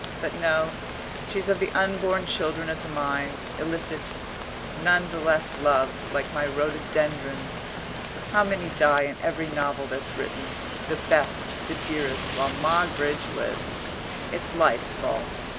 But no; she's of the unborn children of the mind, illicit, none the less loved, like my rhododendrons. How many die in every novel that's written the best, the dearest, while Moggridge lives. It's life's fault.